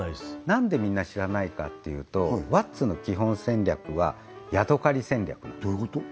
なんでみんな知らないかっていうとワッツの基本戦略はヤドカリ戦略どういうこと？